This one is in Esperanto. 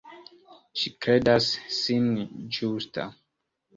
Ŝi kredas sin ĝusta.